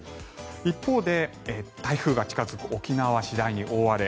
一方で、台風が近付く沖縄は次第に大荒れ。